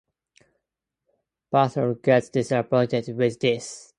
Partho gets disappointed with this.